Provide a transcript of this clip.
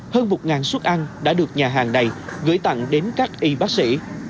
hơn một suất ăn đã được nhà hàng này gửi tặng đến các y bác sĩ